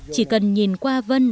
chỉ cần nhìn qua vân